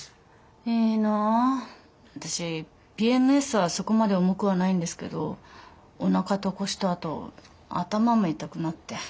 私ＰＭＳはそこまで重くはないんですけどおなかと腰とあと頭も痛くなって。